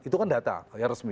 itu kan data resmi